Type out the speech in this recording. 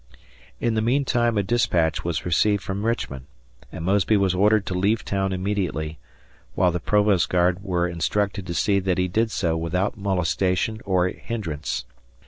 In the meantime a dispatch was received from Richmond, and Mosby was ordered to leave town immediately, while the Provost guard were instructed to see that he did so without molestation or hindrance.